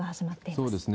そうですね。